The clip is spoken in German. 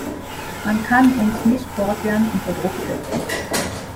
Man kann uns nicht fortwährend unter Druck setzen.